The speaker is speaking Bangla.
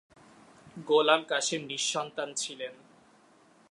গোলাম কাসেম নিঃসন্তান ছিলেন।